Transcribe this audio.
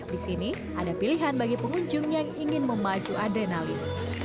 di sini ada pilihan bagi pengunjung yang ingin memacu adrenalin